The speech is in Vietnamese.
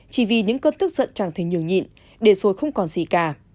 chỉ vì những cơn tức giận chẳng thể nhường nhịn để rồi không còn gì cả